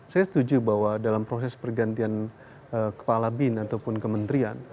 saya setuju bahwa dalam proses pergantian kepala bin ataupun kementerian